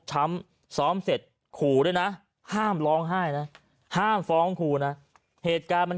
ซ้ำซ้อมเสร็จขู่ด้วยนะห้ามร้องไห้นะห้ามฟ้องครูนะเหตุการณ์มัน